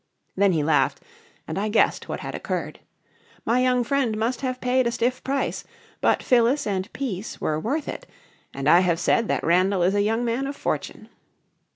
Then he laughed and I guessed what had occurred. My young friend must have paid a stiff price; but Phyllis and peace were worth it; and I have said that Randall is a young man of fortune.